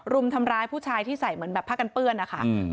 รุมทำร้ายผู้ชายที่ใส่เหมือนแบบผ้ากันเปื้อนนะคะ